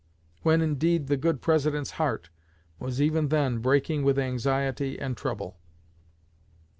When, indeed, the good President's heart was even then breaking with anxiety and trouble."